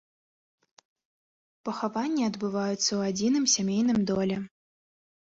Пахаванні адбываюцца ў адзіным сямейным доле.